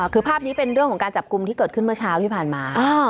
คือภาพนี้เป็นเรื่องของการจับกลุ่มที่เกิดขึ้นเมื่อเช้าที่ผ่านมา